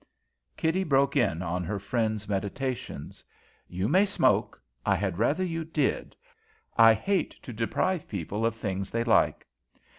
Kitty broke in on her friend's meditations. "You may smoke. I had rather you did. I hate to deprive people of things they like."